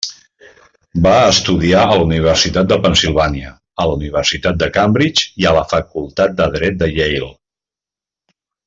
Va estudiar a la Universitat de Pennsilvània, a la Universitat de Cambridge i a la facultat de Dret de Yale.